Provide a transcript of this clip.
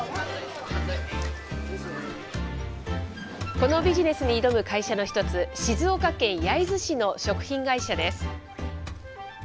このビジネスに挑む会社の一つ、静岡県焼津市の食品会社です。